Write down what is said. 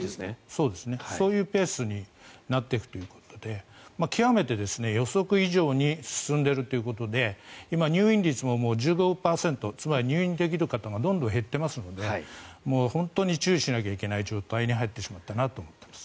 そういうペースになっていくということで極めて、予測以上に進んでいるということで今、入院率も１５％つまり入院できる方もどんどん減っていますので本当に注意しなきゃいけない状態に入ってしまったなと思っています。